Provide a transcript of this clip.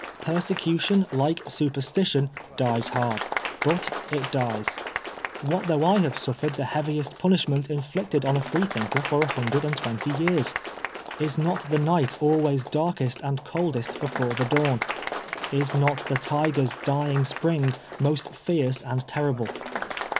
Persecution, like superstition, dies hard, but it dies.. What though I have suffered the heaviest punishment inflicted on a Freethinker for a hundred and twenty years ? Is not the night always darkest and coldest before the dawn? Is not the tiger's dying spring most fierce and terrible